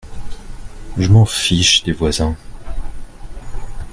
Je m'en fiche, des voisins …